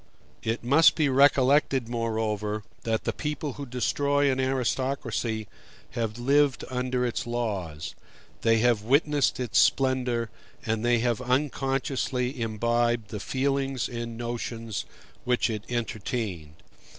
It must be recollected, moreover, that the people who destroy an aristocracy have lived under its laws; they have witnessed its splendor, and they have unconsciously imbibed the feelings and notions which it entertained.